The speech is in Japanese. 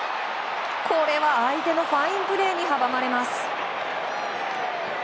これは相手のファインプレーに阻まれます。